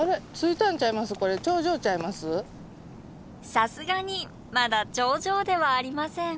さすがにまだ頂上ではありません。